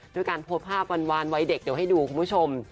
ด้วยการโพสต์ภาพวานวัยเด็กเดี๋ยวให้ดูคุณผู้ชม